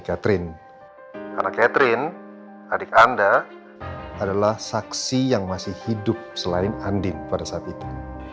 catherine karena catherine adik anda adalah saksi yang masih hidup selain andin pada saat itu